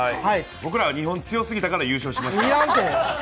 僕らは２本強すぎたんで優勝しました。